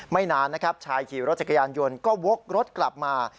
นานนะครับชายขี่รถจักรยานยนต์ก็วกรถกลับมา